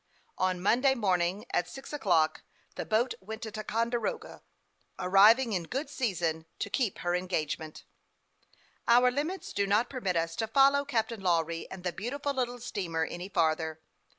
On Monday morning, at six o'clock, the boat went to Ticonderoga, arriv ing in good season to keep her engagement. Our limits do not permit us to follow Captain 304 HASTE AND WASTE, OR Lawry and the beautiful little steamer any farther.